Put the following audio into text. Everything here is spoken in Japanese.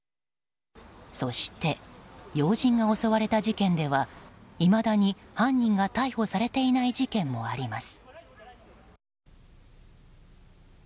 そして要人が襲われた事件ではいまだに犯人が逮捕されていない事件もあります。